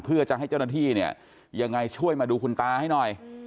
เพื่อจะให้เจ้าหน้าที่เนี่ยยังไงช่วยมาดูคุณตาให้หน่อย